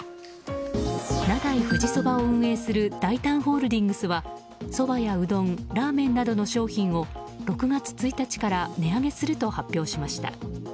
名代富士そばを運営するダイタンホールディングスはそばやうどんラーメンなどの商品を６月１日から値上げすると発表しました。